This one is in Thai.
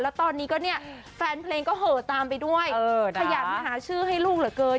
แล้วตอนนี้ก็เนี่ยแฟนเพลงก็เหอะตามไปด้วยขยันหาชื่อให้ลูกเหลือเกิน